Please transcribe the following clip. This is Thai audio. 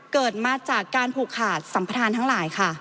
เกิดมาจากการผูกขาดสัมพทานทั้งหลายค่ะ